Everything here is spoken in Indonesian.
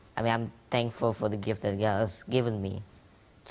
saya berterima kasih atas hadiah yang dia memberikan saya